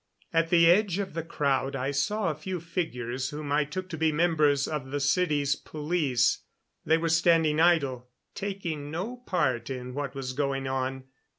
At the edge of the crowd I saw a few figures whom I took to be members of the city's police. They were standing idle, taking no part in what was going on.